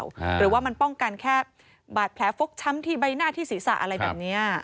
หรือว่ามันป้องกันแค่บาดแผลฟกช้ำที่ใบหน้าที่ศีรษะอะไรแบบเนี้ย